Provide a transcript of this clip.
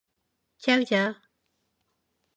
잘 자.